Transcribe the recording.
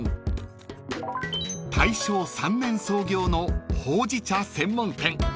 ［大正３年創業のほうじ茶専門店］